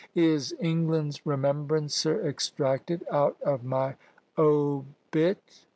Is England's Remembrancer extracted out of my _obit.